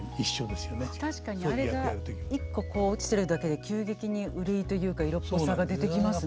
確かにあれが１個落ちてるだけで急激に憂いというか色っぽさが出てきますね。